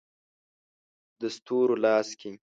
د ستورو لاس کې